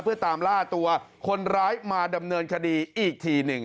เพื่อตามล่าตัวคนร้ายมาดำเนินคดีอีกทีหนึ่ง